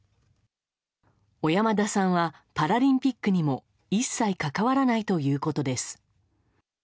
小山田さんはパラリンピックにも一切関わらないということです。